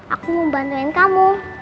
aku mau bantuin kamu